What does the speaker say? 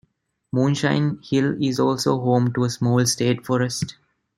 Moonshine Hill is also home to a small state forest.